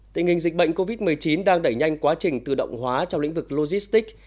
tình hình dịch bệnh covid một mươi chín đang đẩy nhanh quá trình tự động hóa trong lĩnh vực logistics